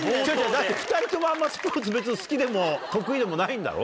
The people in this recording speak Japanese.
だって２人ともあんまスポーツ好きでも得意でもないんだろ？